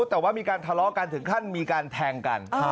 แต่ว่ามีการทะเลาะกันถึงขั้นมีการแทงกัน